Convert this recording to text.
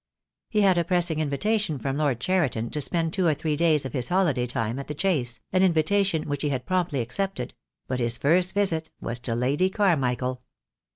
He had a pressing invitation from Lord Cheriton to spend two or three days of his holiday time at the Chase, an invitation which he had promptly accepted; but his first visit was to Lady Carmichael.